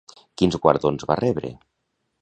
Quins guardons va rebre?